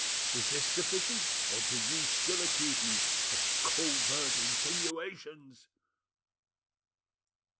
Is this sufficient, or do you still accuse me of covert insinuations?"